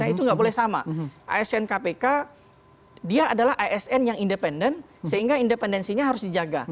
itu nggak boleh sama asn kpk dia adalah asn yang independen sehingga independensinya harus dijaga